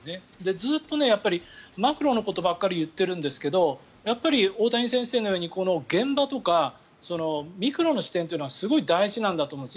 ずっとマクロのことばかり言ってるんですけど大谷先生のように現場とかミクロの視点というのはすごい大事なんだと思うんです。